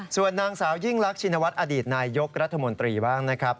ส่วนนางสาวยิ่งรักชินวัฒน์อดีตนายยกรัฐมนตรีบ้างนะครับ